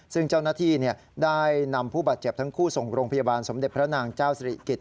ซึ่งเจ้าหน้าที่ได้นำผู้บาดเจ็บทั้งคู่ส่งโรงพยาบาลสมเด็จพระนางเจ้าสิริกิจ